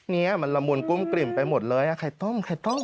เนี่ยมันละมุนกุ้มกลิ่มไปหมดเลยไข่ต้มไข่ต้ม